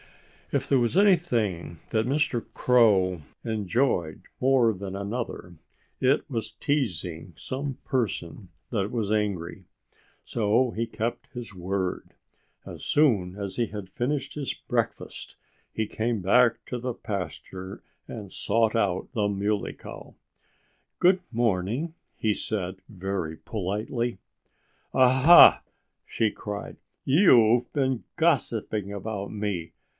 If there was anything that Mr. Crow enjoyed more than another, it was teasing some person that was angry. So he kept his word. As soon as he had finished his breakfast he came back to the pasture and sought out the Muley Cow. "Good morning!" he said very politely. "Ah, ha!" she cried. "You've been gossiping about me.